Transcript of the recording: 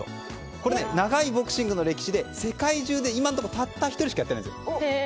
これ、長いボクシングの歴史で世界中で今のところ、たった１人しかやっていないんですよ。